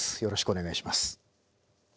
よろしくお願いします。